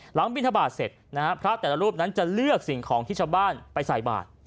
หลังวิทยาบาทเสร็จพระแต่ละรูปนั้นจะเลือกสิ่งของที่ชาบ้านไปใส่บาท